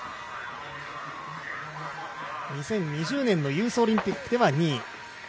２０２０年のユースオリンピックでは２位。